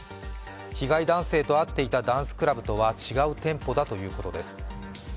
被害男性と会っていたダンスクラブとは違う店舗だということです。